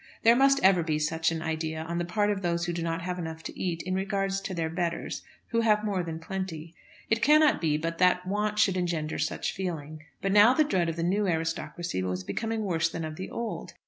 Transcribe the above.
There must ever be such an idea on the part of those who do not have enough to eat in regard to their betters, who have more than plenty. It cannot be but that want should engender such feeling. But now the dread of the new aristocracy was becoming worse than that of the old.